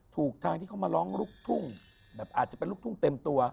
ถูกทางที่เขามาร้องลูกทุ่งแบบอาจจะเป็นลูกทุ่งเต็มตัว